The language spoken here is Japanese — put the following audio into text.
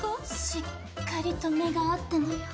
しっかりと目が合ったのよ。